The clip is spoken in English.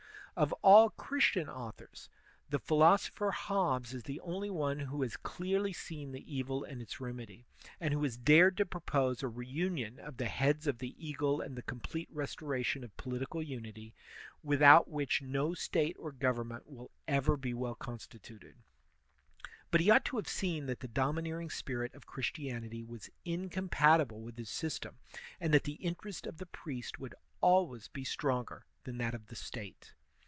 Of all Christian authors, the philosopher Hobbes is the only one who has clearly seen the evil and its remedy, and who has dared to propose a reunion of the heads of the eagle and the complete restoration of political unity, without which no State or government will ever be well constituted. But he ought to have seen that the domi neering spirit of Christianity was incompatible with his system, and that the interest of the priest would always be stronger than that of the State.